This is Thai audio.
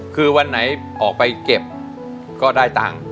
คือวันไหนออกไปเก็บก็ได้ตังค์